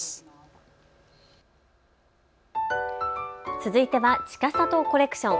続いてはちかさとコレクション。